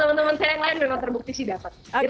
teman teman saya yang lain memang terbukti sih dapat